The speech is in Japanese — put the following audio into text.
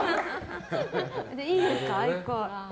いいですか。